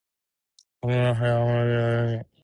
Auburn hair ranges in shades from medium to dark.